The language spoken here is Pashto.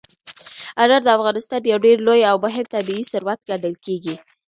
انار د افغانستان یو ډېر لوی او مهم طبعي ثروت ګڼل کېږي.